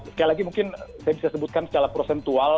sekali lagi mungkin saya bisa sebutkan secara prosentual